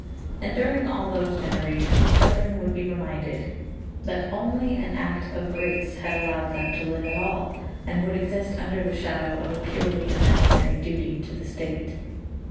And during all those generations, children would be reminded that only an act of grace had allowed them to live at all, and would exist under the shadow of a purely imaginary duty to the state.